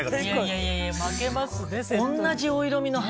いやいやいや負けます。